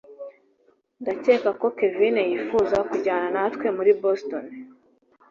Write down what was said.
ndakeka ko kevin yifuza kujyana natwe boston